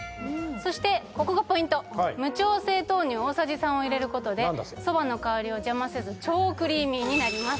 そしてここがポイント無調整豆乳大さじ３を入れることで蕎麦の香りを邪魔せず超クリーミーになります